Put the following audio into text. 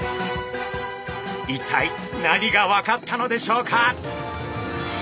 一体何が分かったのでしょうか？